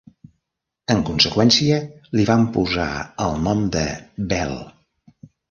En conseqüència, li van posar el nom de Belle.